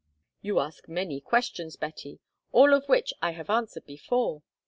"You ask many questions, Betty, all of which I have answered before.